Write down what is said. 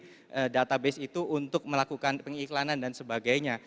dan juga menambah database itu untuk melakukan pengiklanan dan sebagainya